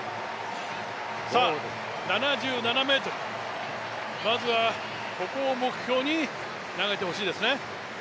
さあ、７７ｍ、まずはここを目標に投げてほしいですね。